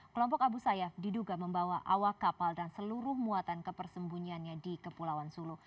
kelompok abu sayyaf diduga membawa awak kapal dan seluruh muatan kepersembunyiannya di kepulauan sulu